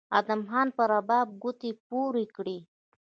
ادم خان په رباب ګوتې پورې کړې